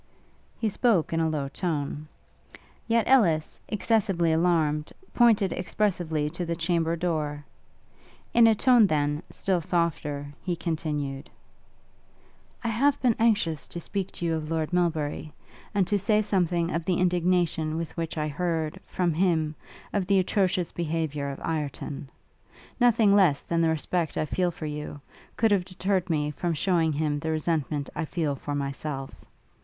He spoke in a low tone, yet, Ellis, excessively alarmed, pointed expressively to the chamber door. In a tone, then, still softer, he continued: 'I have been anxious to speak to you of Lord Melbury, and to say something of the indignation with which I heard, from him, of the atrocious behaviour of Ireton. Nothing less than the respect I feel for you, could have deterred me from shewing him the resentment I feel for myself.